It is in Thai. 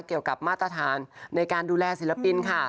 เกี่ยวกับมาตรฐานในการดูแลศิลปินค่ะ